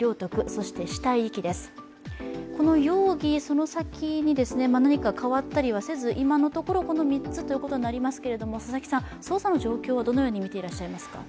この容疑者、その先に何か変わったりはせず、今のところ、この３つということになりますけど、捜査の状況はどのようにみていらっしゃいますか？